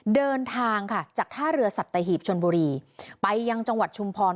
เดินทางค่ะจากท่าเรือสัตหีบชนบุรีไปยังจังหวัดชุมพร